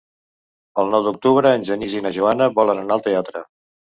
El nou d'octubre en Genís i na Joana volen anar al teatre.